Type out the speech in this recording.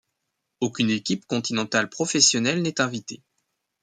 Aucune équipe continentale professionnelle n'est invitée.